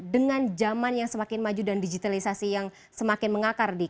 dengan zaman yang semakin maju dan digitalisasi yang semakin mengakar